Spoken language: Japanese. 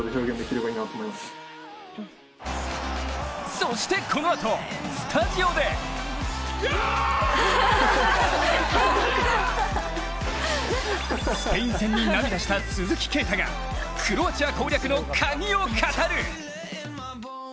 そして、このあとスタジオでスペイン戦に涙した鈴木啓太がクロアチア攻略の鍵を語る。